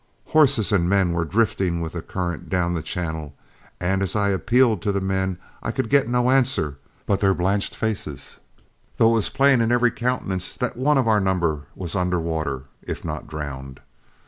Horses and men were drifting with the current down the channel, and as I appealed to the men I could get no answer but their blanched faces, though it was plain in every countenance that one of our number was under water if not drowned.